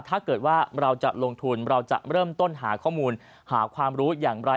ถ้าเกิดว่าเราจะลงทุนเราจะเริ่มต้นหาข้อมูลหาความรู้อย่างไร